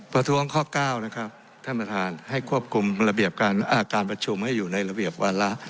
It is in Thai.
ประท้วงข้อ๙นะครับท่านประธานให้ควบคุมระเบียบการประชุมให้อยู่ในระเบียบวาระ